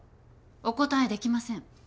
お答えできません。